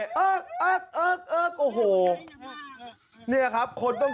เมียใช้บิลคุณท่านเห็นที่ล้อง